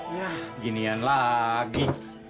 yah ginian lagi